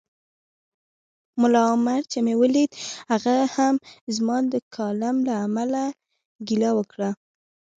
ملا عمر چي مې ولید هغه هم زما د کالم له امله ګیله وکړه